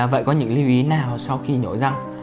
vậy có những lưu ý nào sau khi nhổ răng